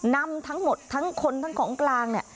นำทั้งหมดทั้งคนทั้งของกลางเนี่ย